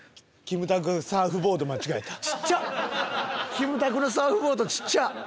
キムタクのサーフボードちっちゃ！